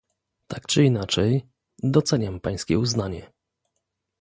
Tak czy inaczej, doceniam pańskie uznanie